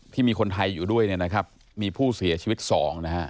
ถ้ามีผู้เสียชีวิต๒นะฮะ